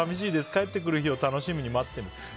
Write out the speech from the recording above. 帰ってくる日を楽しみに待ってると。